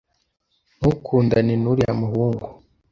Ntukundane nuriya muhungu.